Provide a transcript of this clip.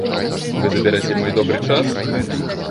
Вы забераце мой добры час?!